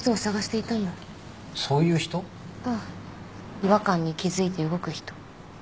違和感に気付いて動く人。